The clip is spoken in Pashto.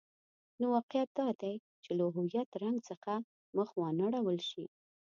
نو واقعیت دادی چې له هویت رنګ څخه مخ وانه ړول شي.